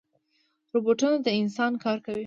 روبوټونه د انسان کار کوي